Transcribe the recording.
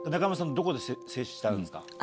どこで接したんですか？